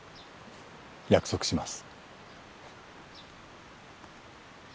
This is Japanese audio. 約束します。